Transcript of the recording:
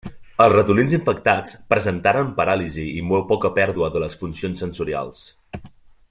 Els ratolins infectats presentaren paràlisi i molt poca pèrdua de les funcions sensorials.